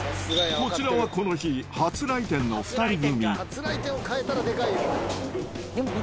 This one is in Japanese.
こちらは、この日、初来店の２人組。